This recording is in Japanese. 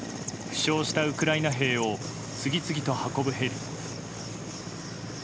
負傷したウクライナ兵を次々と運ぶヘリ。